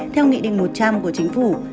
theo nghị định một trăm linh của chính phủ